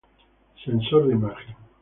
Sensor de imagen.